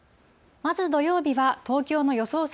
まず土曜日は、東京の予想